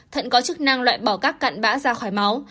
thận có chức năng loại bỏ các cặn bã ra khỏi máu